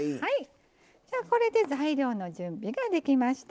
これで、材料の準備ができました。